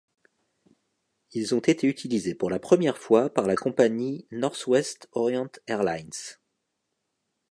Ils ont été utilisés pour la première fois par la compagnie Northwest Orient Airlines.